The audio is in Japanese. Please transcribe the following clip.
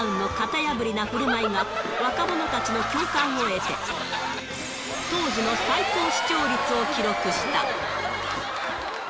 やぶりなふるまいが、若者たちの共感を得て、当時の最高視聴率を記録した。